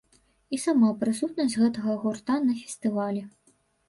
І сама прысутнасць гэтага гурта на фестывалі.